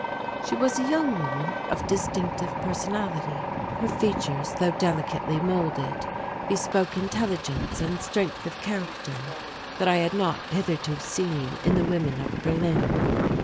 She was a young woman of distinctive personality. Her features, though delicately moulded, bespoke intelligence and strength of character that I had not hitherto seen in the women of Berlin.